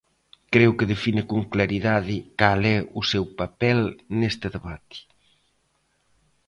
Creo que define con claridade cal é o seu papel neste debate.